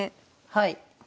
はい。